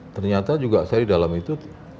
ternyata juga saya di dalam itu